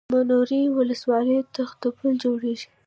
د منورې ولسوالۍ تختو پل جوړېږي